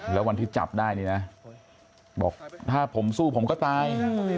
แล้ววันที่จับได้นี่นะบอกถ้าผมสู้ผมก็ตาย